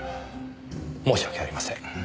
申し訳ありません。